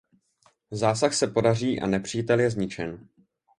Zásah se podaří a nepřítel je zničen.